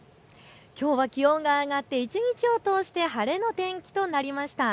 きょうは気温が上がって一日を通して晴れの天気となりました。